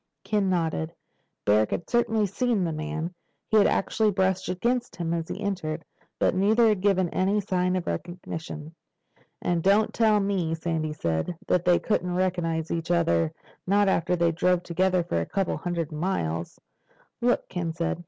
Ken nodded. Barrack had certainly seen the man. He had actually brushed against him as he entered. But neither had given any sign of recognition. "And don't tell me," Sandy said, "that they couldn't recognize each other—not after they drove together for a couple of hundred miles." "Look," Ken said.